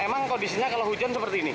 emang kondisinya kalau hujan seperti ini